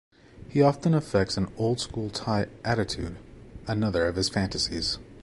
He often affects an 'old school tie' attitude- another of his fantasies.